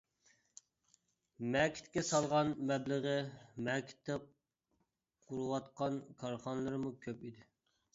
مەكىتكە سالغان مەبلىغى، مەكىتتە قۇرۇۋاتقان كارخانىلىرىمۇ كۆپ ئىدى.